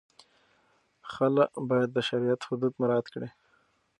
خلع باید د شریعت حدود مراعت کړي.